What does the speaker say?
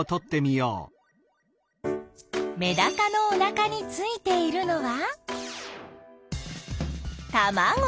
メダカのおなかについているのはたまご！